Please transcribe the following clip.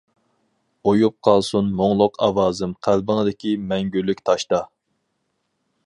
ئۇيۇپ قالسۇن مۇڭلۇق ئاۋازىم قەلبىڭدىكى مەڭگۈلۈك تاشتا.